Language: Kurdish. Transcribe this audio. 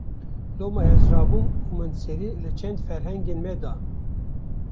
Loma ez rabûm û min serî li çend ferhengên me da